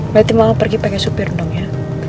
berarti mama pergi pake supir dong ya